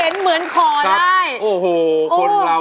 น้องมิวเลือกแผ่นไหนครับ